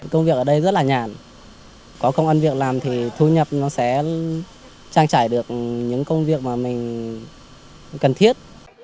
công việc ở đây rất là nhản có công an việc làm thì thu nhập nó sẽ trang trải được những công việc mà mình cần thiết